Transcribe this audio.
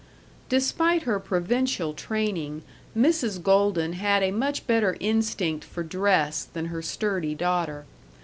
Despite her provincial training, Mrs. Golden had a much better instinct for dress than her sturdy daughter.